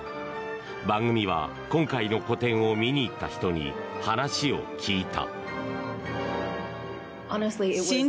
番組は今回の個展を見に行った人に話を聞いた。